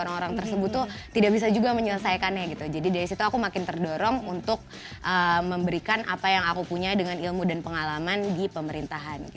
orang orang tersebut tuh tidak bisa juga menyelesaikannya gitu jadi dari situ aku makin terdorong untuk memberikan apa yang aku punya dengan ilmu dan pengalaman di pemerintahan